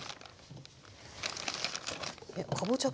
かぼちゃ